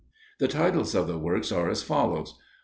The titles of the works are as follows: 1.